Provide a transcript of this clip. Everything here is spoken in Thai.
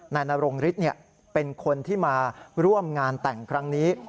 นายนรงฤทธิ์เป็นคนที่มาร่วมงานแต่งครั้งนี้